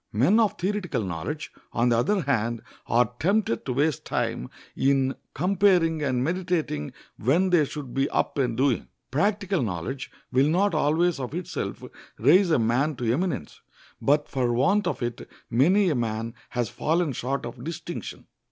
Men of theoretical knowledge, on the other hand, are tempted to waste time in comparing and meditating when they should be up and doing. Practical knowledge will not always of itself raise a man to eminence, but for want of it many a man has fallen short of distinction.